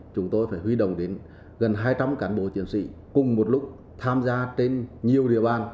chúng tôi phải huy động đến gần hai trăm linh cán bộ chiến sĩ cùng một lúc tham gia trên nhiều địa bàn